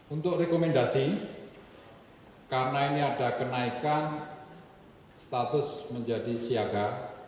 untuk rekomendasi karena ini ada kenaikan status menjadi siaga